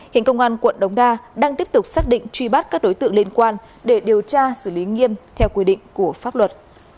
hiện công an quận đống đa đang tiếp tục xác định truy bắt các đối tượng liên quan để điều tra xử lý nghiêm theo quy định của pháp luật